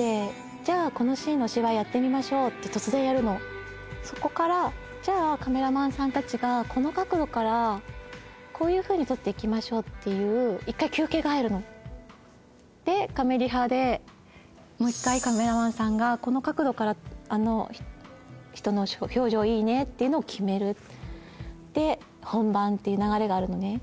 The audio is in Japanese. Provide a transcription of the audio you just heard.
「じゃこのシーンのお芝居やってみましょう」って突然やるのそこからじゃカメラマンさん達がこの角度からこういうふうに撮っていきましょうっていう一回休憩が入るのでカメリハでもう一回カメラマンさんがこの角度からあの人の表情いいねっていうのを決めるっていう流れがあるのね